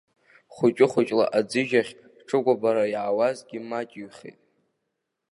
Хәыҷы-хәыҷла аӡыжьахь ҽыкәабара иаауазгьы маҷыҩхеит.